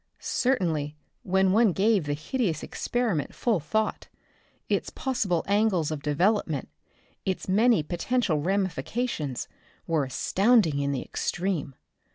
Certainly when one gave the hideous experiment full thought, its possible angles of development, its many potential ramifications, were astounding in the extreme.